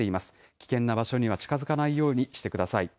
危険な場所には近づかないようにしてください。